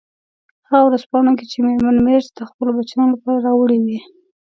هغه ورځپاڼو کې چې میرمن مېرز د خپلو بچیانو لپاره راوړي وې.